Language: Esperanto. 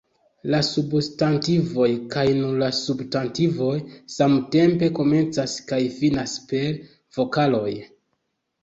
La substantivoj, kaj nur la substantivoj, samtempe komencas kaj finas per vokaloj.